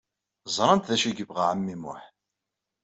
Ẓrant d acu ay yebɣa ɛemmi Muḥ.